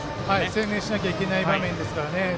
専念しなきゃいけない場面ですから。